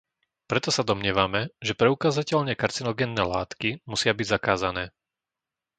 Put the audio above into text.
Preto sa domnievame, že preukázateľne karcinogénne látky musia byť zakázané.